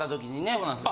そうなんです。